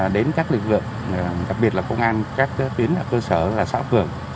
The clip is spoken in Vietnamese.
đến các lực lượng đặc biệt là công an các tuyến cơ sở và xã phường